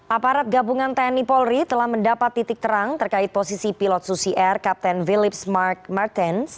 aparat gabungan tni polri telah mendapat titik terang terkait posisi pilot susi air kapten philips mark martens